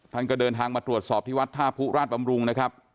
ท่านก็เดินทางมาตรวจสอบที่วัดท่าผู้ราชบำรุงนะครับ